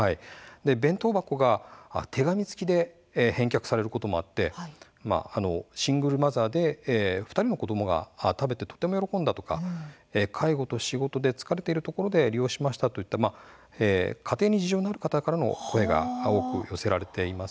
弁当箱が手紙付きで返却されることもあってシングルマザーで２人の子どもが食べてとても、喜んだとか介護と仕事で疲れているところで利用しましたといった家庭に事情がある方からの声が寄せられています。